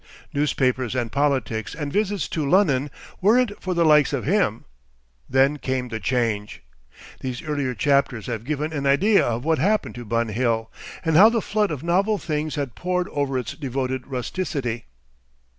Newspapers and politics and visits to "Lunnon" weren't for the likes of him. Then came the change. These earlier chapters have given an idea of what happened to Bun Hill, and how the flood of novel things had poured over its devoted rusticity.